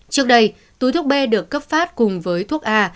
trước đây túi thuốc b được cấp phát cùng với thuốc a